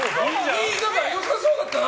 何か良さそうだったな。